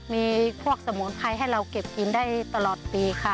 มีพวกสมุนไพรให้เราเก็บกินได้ตลอดปีค่ะ